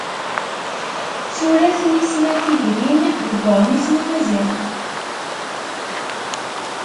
Tura-t Nisma Tigrin deg uɣmis n yimaziɣen.